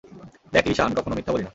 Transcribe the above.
দেখ, লিসা, আমি কখনো মিথ্যা বলি না।